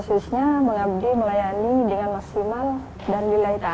khususnya mengabdi melayani dengan maksimal dan bila hitam